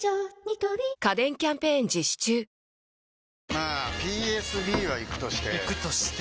まあＰＳＢはイクとしてイクとして？